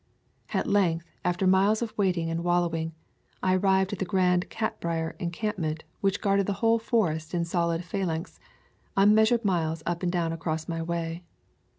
At length, after miles of wading and wallow ing, I arrived at the grand cat brier encamp ment which guarded the whole forest in solid phalanx, unmeasured miles up and down across my way.